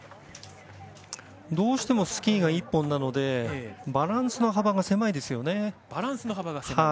どうしてもスキーが１本なのでバランスの幅が狭いですよね。